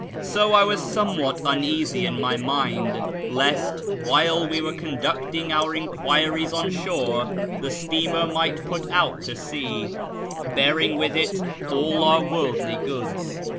So I was somewhat un easy in my mind lest, while we were conducting our enquiries ou shore, the steamer might put out to sea, bearing with it all our worldly goods.